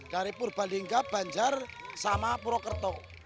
dari purbalingga banjar sama purwokerto